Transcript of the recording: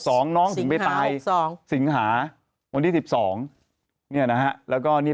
สองน้องถึงไปตายสองสิงหาวันที่สิบสองเนี่ยนะฮะแล้วก็นี่